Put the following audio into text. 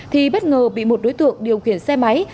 thì bất ngờ bị một đối tượng điều khiển xe máy